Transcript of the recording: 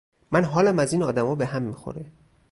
من حالم از این آدما به هم می خوره